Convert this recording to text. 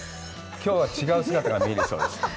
きょうは違う姿が見えるそうです。